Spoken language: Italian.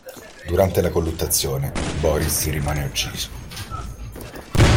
Durante la colluttazione, Boris rimane ucciso.